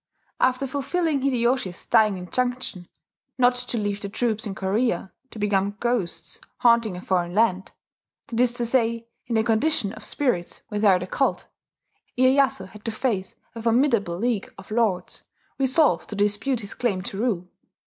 After fulfilling Hideyoshi's dying injunction, not to leave the troops in Korea "to become ghosts haunting a foreign land," that is to say, in the condition of spirits without a cult, Iyeyasu had to face a formidable league of lords resolved to dispute his claim to rule.